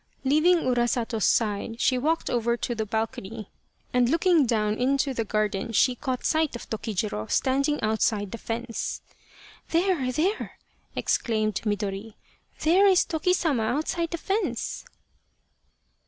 Leaving Urasato's side she walked over to the balcony and looking down into the garden she caught sight of Tokijiro standing outside the fence. " There, there !" exclaimed Midori, " there is Toki Sama outside the fence."